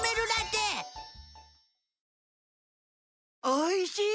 おいしい！